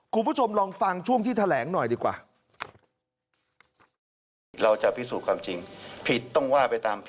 คุณผู้ชมลองฟังช่วงที่แถลงหน่อยดีกว่า